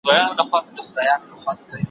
څو یې ستا تېره منگول ته سمومه